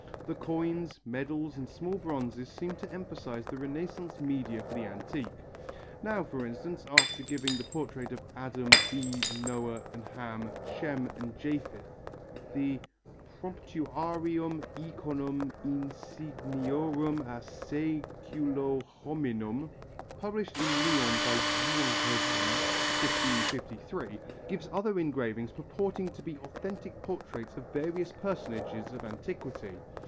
The coins, medals and small bronzes seem to emphasize the Renaissance mania for the antique. Now, for instance, after giving the portrait of Adam, Eve, Noah and Ham, Shem and Japhet, the Promptuarium iconum insigniorum a seculo hominum, published in Lyons by Guillaume Reville (1553), gives other engravings purporting to be authentic portraits of various personages of antiquity.